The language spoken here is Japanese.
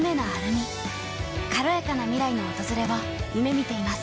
軽やかな未来の訪れを夢みています。